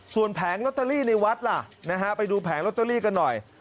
ส่วนแผงลอตเตอรี่ในวัดล่ะนะฮะไปดูแผงลอตเตอรี่กันหน่อย